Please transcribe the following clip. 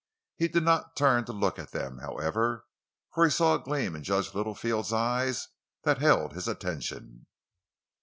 He did not turn to look at them, however, for he saw a gleam in Judge Littlefield's eyes that held his attention.